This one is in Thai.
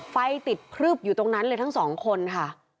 ไฟติดครึบอยู่ตรงนั้นเลยทั้งสองคนค่ะ